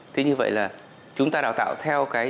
thế như vậy là chúng ta đào tạo theo cái